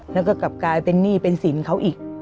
แล้วก็กลับกลายเป็นหนี้เป็นสินเขาอีก